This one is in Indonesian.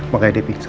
makanya dia pingsan